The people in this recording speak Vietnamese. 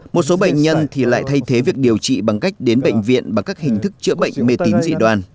một số bệnh nhân thì lại thay thế việc điều trị bằng cách đến bệnh viện bằng các hình thức chữa bệnh mê tín dị đoàn